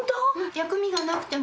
薬味がなくても。